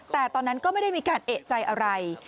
แต่ตอนนั้นก็ไม่ได้มีการเอกใจอะไร